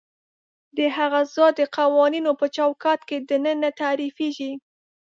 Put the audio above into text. د هغه ذات د قوانینو په چوکاټ کې دننه تعریفېږي.